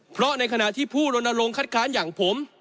เพราะในขณะที่ผู้ลนลงคัดค้านอย่างผม